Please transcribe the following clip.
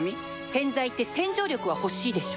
洗剤って洗浄力は欲しいでしょ